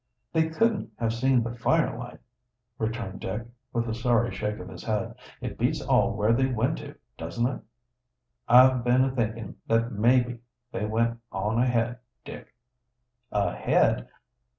"They couldn't have seen the firelight," returned Dick, with a sorry shake of his head. "It beats all where they went to, doesn't it?" "I've been a thinking that maybe they went on ahead, Dick." "Ahead?